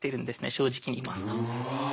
正直に言いますと。